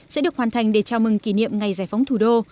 sẽ được hoàn thành để chào mừng kỷ niệm ngày giải phóng thủ đô